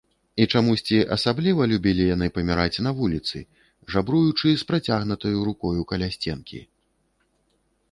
І чамусьці асабліва любілі яны паміраць на вуліцы, жабруючы, з працягнутаю рукою, каля сценкі.